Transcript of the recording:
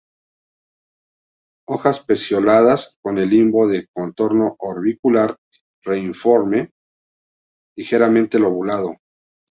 Hojas pecioladas con el limbo de contorno orbicular-reniforme, ligeramente lobulado.